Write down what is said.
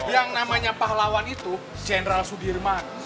yang namanya pahlawan itu jenderal sudirman